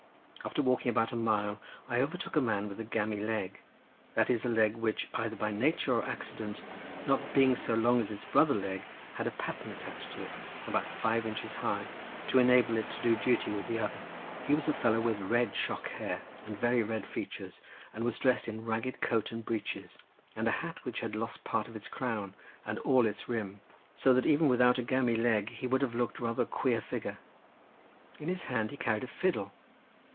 After walking about a mile I overtook a man with a game leg, that is a leg, which either by nature or accident not being so long as its brother leg, had a patten attached to it, about five inches high, to enable it to do duty with the other—he was a fellow with red shock hair and very red features, and was dressed in ragged coat and breeches, and a hat which had lost part of its crown, and all its rim, so that even without a game leg he would have looked rather a queer figure. In his hand he carried a fiddle.